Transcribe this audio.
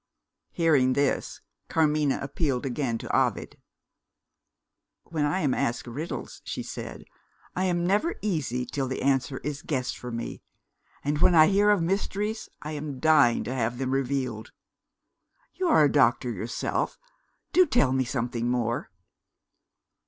Hearing this, Carmina appealed again to Ovid. "When I am asked riddles," she said, "I am never easy till the answer is guessed for me. And when I hear of mysteries, I am dying to have them revealed. You are a doctor yourself. Do tell me something more!"